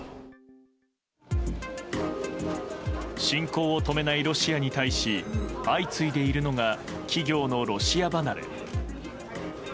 侵攻を止めないロシアに対し相次いでいるのが企業のロシア離れ。